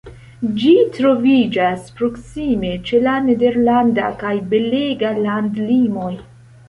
Ĝi troviĝas proksime ĉe la nederlanda kaj belga landlimoj.